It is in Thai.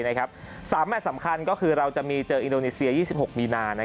แมทสำคัญก็คือเราจะมีเจออินโดนีเซีย๒๖มีนา